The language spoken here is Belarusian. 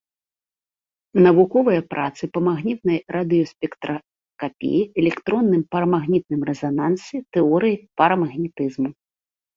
Навуковыя працы па магнітнай радыёспектраскапіі, электронным парамагнітным рэзанансе, тэорыі парамагнетызму.